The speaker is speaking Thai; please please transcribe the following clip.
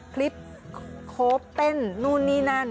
คลิปโคปเต้นนู่นนี่นั่น